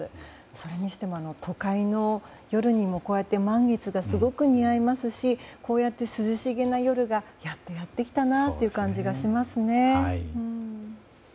それにしても都会の夜にもこうやって満月がすごく似合いますしこうやって涼しげな夜がやっとやってきたなという感じがしますね。